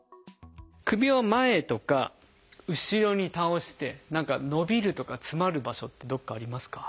首を前とか後ろに倒して何か伸びるとか詰まる場所ってどこかありますか？